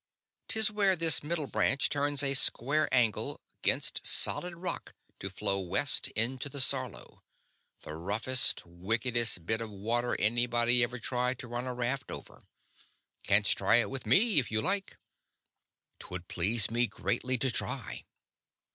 "'Tis where this Middle Branch turns a square angle 'gainst solid rock to flow west into the Sarlo; the roughest, wickedest bit of water anybody ever tried to run a raft over. Canst try it with me if you like." "'Twould please me greatly to try."